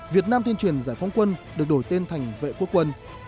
việt nam tuyên truyền giải phóng quân được đổi tên thành vệ quốc quân